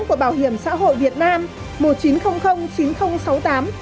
của bảo hiểm xã hội việt nam